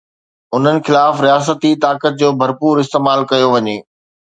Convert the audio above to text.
انهن خلاف رياستي طاقت جو ڀرپور استعمال ڪيو وڃي.